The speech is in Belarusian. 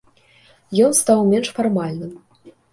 Ён стаў менш фармальным.